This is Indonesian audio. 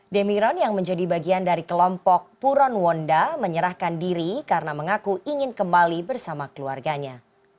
demiron yang menjadi bagian dari kelompok puron wonda menyerahkan diri karena mengaku ingin kembali bersama keluarganya